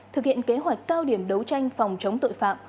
thực hiện kế hoạch cao điểm đấu tranh phòng chống tội phạm